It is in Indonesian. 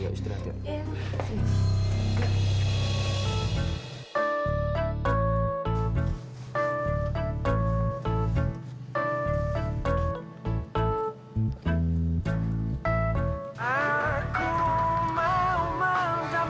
iya istirahat ya